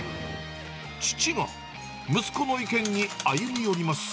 父が息子の意見に歩み寄ります。